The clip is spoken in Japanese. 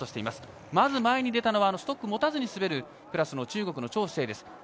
まず前に出たのはストックを持たずに走るクラスの中国の趙志清です。